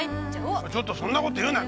あっちょっとそんな事言うなよ！